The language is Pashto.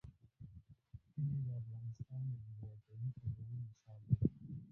کلي د افغانستان د جغرافیوي تنوع مثال دی.